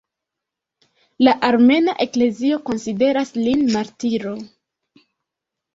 La Armena Eklezio konsideras lin martiro.